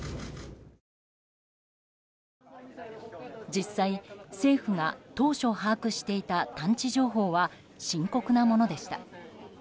実際、政府が当初把握していた探知情報は深刻なものでした。